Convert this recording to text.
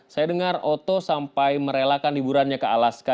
saya dengar oto sampai merelakan liburannya ke alaska